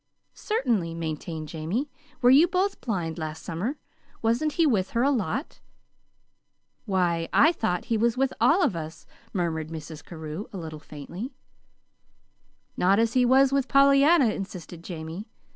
"Certainly," maintained Jamie. "Were you both blind last summer? Wasn't he with her a lot?" "Why, I thought he was with all of us," murmured Mrs. Carew, a little faintly. "Not as he was with Pollyanna," insisted Jamie.